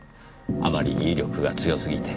あまりに威力が強すぎて。